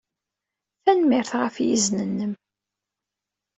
Tanemmirt ɣef yizen-nnem.